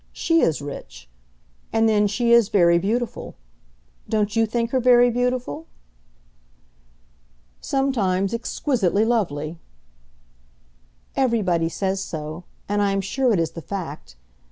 She is rich. And then she is very beautiful. Don't you think her very beautiful?" "Sometimes exquisitely lovely." "Everybody says so; and I am sure it is the fact.